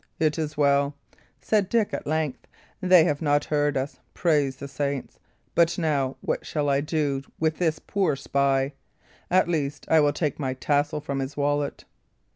"It is well," said Dick, at length; "they have not heard us, praise the saints! But, now, what shall I do with this poor spy? At least, I will take my tassel from his wallet."